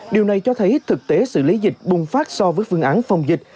điều này cho thấy thực tế xử lý dịch bùng phát so với phương án phòng dịch